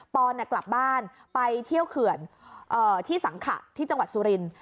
อนกลับบ้านไปเที่ยวเขื่อนที่สังขะที่จังหวัดสุรินทร์